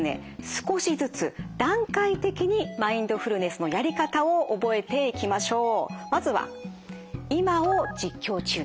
少しずつ段階的にマインドフルネスのやり方を覚えていきましょう。